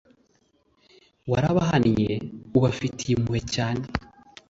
warabahannye ubafitiye impuhwe cyane